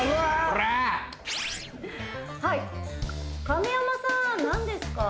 おらはい神山さんなんですか？